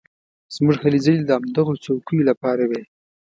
زموږ هلې ځلې د همدغو څوکیو لپاره وې.